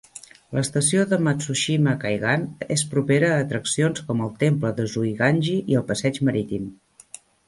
L'estació de Matsushima-Kaigan es propera a atraccions com el temple de Zuiganji i el passeig marítim.